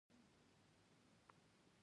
د نرنګ، چغه سرای ځمکو ښه حاصل و